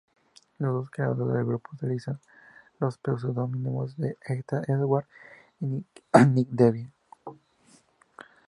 Los dos creadores del grupo utilizan los pseudónimos Ethan Edwards y Nick Devin.